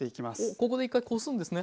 ここで一回こすんですね。